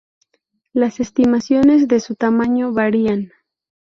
Las estimaciones de su tamaño varían.